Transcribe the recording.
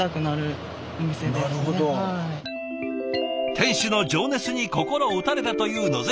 店主の情熱に心を打たれたという野末さん。